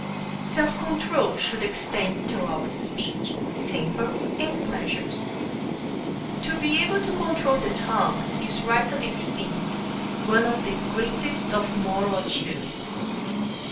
Self control should extend to our speech, temper, and pleasures. To be able to control the tongue is rightly esteemed one of the greatest of moral achievements.